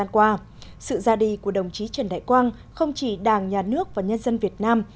qua sự ra đi của đồng chí trần đại quang không chỉ đảng nhà nước và nhân dân việt nam